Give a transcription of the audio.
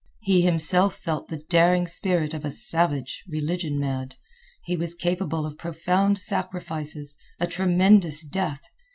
He himself felt the daring spirit of a savage, religion mad. He was capable of profound sacrifices, a tremendous death.